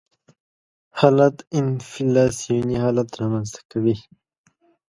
حالت انفلاسیوني حالت رامنځته کوي.